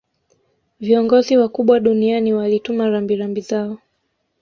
Viongozi wakubwa duniani walituma rambirambi zao